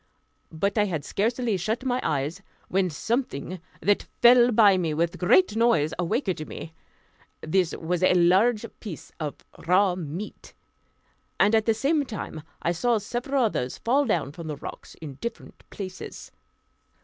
But I had scarcely shut my eyes when something that fell by me with a great noise awaked me. This was a large piece of raw meat; and at the same time I saw several others fall down from the rocks in different places.